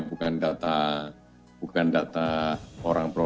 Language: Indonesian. bukan data orang pro